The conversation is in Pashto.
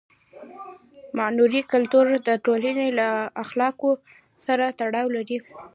معنوي کلتور د ټولنې له اخلاقو سره تړاو لري.